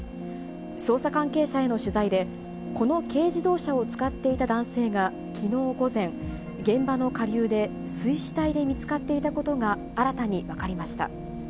捜査関係者への取材で、この軽自動車を使っていた男性がきのう午前、現場の下流で水死体で見つかっていたことが新たに分かりました。